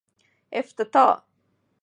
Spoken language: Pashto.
افتتاح